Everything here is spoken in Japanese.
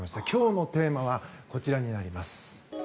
今日のテーマはこちらになります。